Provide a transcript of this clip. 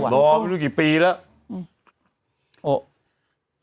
รอไม่รู้กี่ปีแล้ว